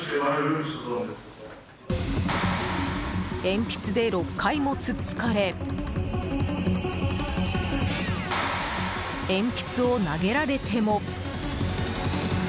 鉛筆で６回も突っつかれ鉛筆を投げられても。